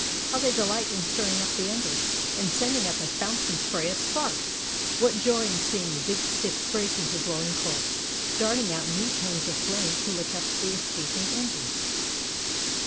How they delight in stirring up the embers and sending up a fountain spray of sparks! What joy in seeing the big sticks break into glowing coals, darting out new tongues of flame to lick up the escaping embers!